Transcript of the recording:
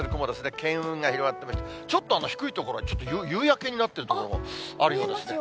巻雲が広がっていまして、ちょっと低い所、ちょっと夕焼けになってる所もあるようですね。